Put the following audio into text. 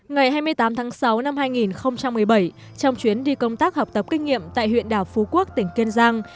ngày hai mươi tám tháng sáu năm hai nghìn một mươi bảy trong chuyến đi công tác học tập kinh nghiệm tại huyện đảo phú quốc tỉnh kiên giang